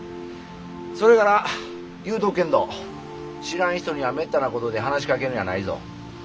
それから言うとくけんど知らん人にはめったなことで話しかけるんやないぞ。